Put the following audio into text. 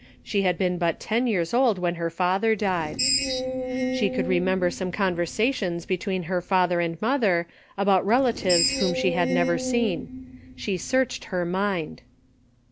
She had been but ten years old when her father died. She could remember some conversations be tween her father and mother about relatives whom she had never seen. She searched her mind.